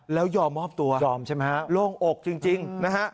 แล้วยอมมอบตัวโล่งอกจริงนะฮะ